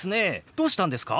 どうしたんですか？